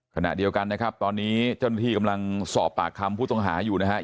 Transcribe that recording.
ขณะเดียวกันนะครับตอนนี้เจ้าหน้าที่กำลังสอบปากคำผู้ต้องหาอยู่นะครับ